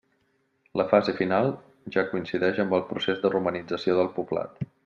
La fase final ja coincideix amb el procés de romanització del poblat.